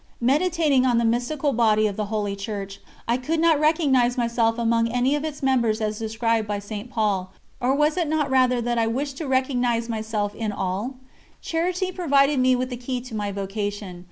Meditating on the mystical Body of Holy Church, I could not recognise myself among any of its members as described by St. Paul, or was it not rather that I wished to recognise myself in all? Charity provided me with the key to my vocation.